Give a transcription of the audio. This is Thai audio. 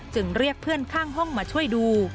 เรียกเพื่อนข้างห้องมาช่วยดู